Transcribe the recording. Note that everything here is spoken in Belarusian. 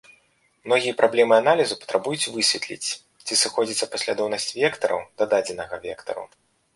Многія праблемы аналізу патрабуюць высветліць, ці сыходзіцца паслядоўнасць вектараў да дадзенага вектару.